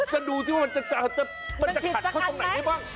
จะดูสิว่ามันจะขัดเข้าตรงไหนได้บ้าง